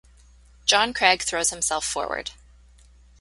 John Craig throws himself forward.